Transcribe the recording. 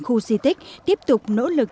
khu di tích tiếp tục nỗ lực